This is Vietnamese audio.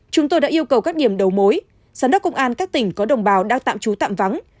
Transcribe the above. chúng tôi đã yêu cầu các điểm đầu mối giám đốc công an các tỉnh có đồng bào đang tạm trú tạm vắng